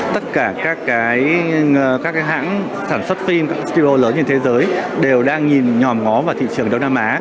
tất cả các hãng sản xuất phim các stu lớn trên thế giới đều đang nhìn nhòm ngó vào thị trường đông nam á